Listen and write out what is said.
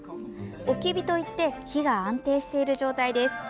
おき火といって火が安定している状態です。